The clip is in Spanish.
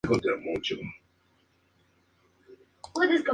Hijo de Luis Chataing y Margarita Poleo de Chataing.